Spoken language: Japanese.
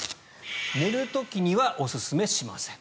寝る時にはおすすめしません。